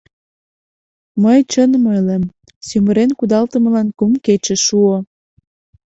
- Мый чыным ойлем, сӱмырен кудалтымылан кум кече шуо.